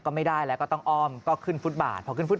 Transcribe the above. ก็ไม่ได้แล้วก็ต้องออมก็ขึ้นฟุตบาท